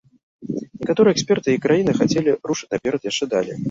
Некаторыя эксперты і краіны хацелі рушыць наперад яшчэ далей.